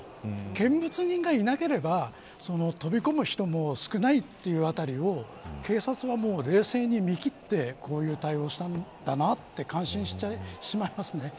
見物人がいなければ飛び込む人も少ないというあたりを警察は冷静に見切ってこういう対応をしたんだなと感心してしまいますね。